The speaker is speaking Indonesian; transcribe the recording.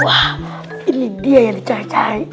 wah ini dia yang dicacai